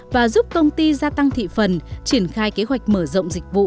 và giúp công ty gia tăng thị phần triển khai kế hoạch mở rộng dịch vụ